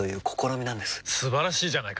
素晴らしいじゃないか！